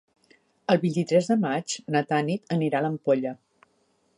El vint-i-tres de maig na Tanit anirà a l'Ampolla.